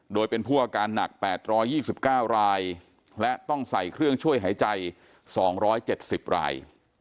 โดยเป็นผู้อาการหนัก๘๒๙รายและต้องใส่เครื่องช่วยหายใจ๒๗๐ราย